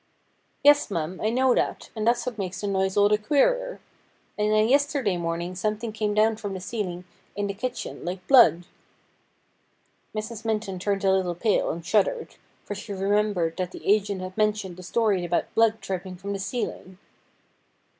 ' Yes, mum, I know that, and that's what makes the noise all the queerer. And then yesterday morning something came down from the ceiling in the kitchen like blood.' Mrs. Minton turned a little pale and shuddered, for she remembered that the agent had mentioned the story about blood dripping from the ceiling.